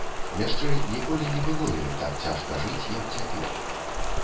Яшчэ ніколі не было ёй так цяжка жыць, як цяпер.